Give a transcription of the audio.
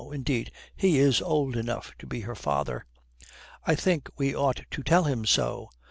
Indeed, he is old enough to be her father." "I think we ought to tell him so."